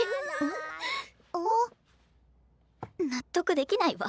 ん？納得できないわ。